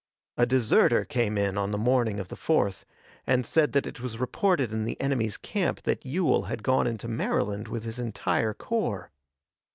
A deserter came in on the morning of the 4th, and said that it was reported in the enemy's camp that Ewell had gone into Maryland with his entire corps.